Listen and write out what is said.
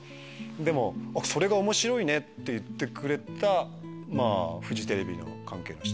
でもそれが面白いねって言ってくれたフジテレビの関係の人